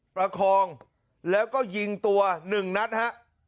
ประคองแล้วก็ยิงตัวหนึ่งนัดครับ